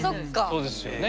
そうですよね。